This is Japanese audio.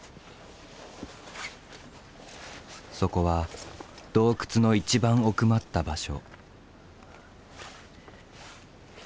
そこは洞窟の一番奥まった場所。